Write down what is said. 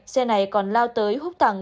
xe này còn lao tới hút thẳng